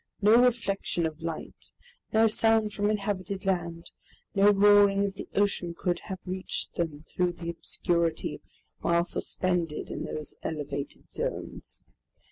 No reflection of light, no sound from inhabited land, no roaring of the ocean could have reached them, through the obscurity, while suspended in those elevated zones.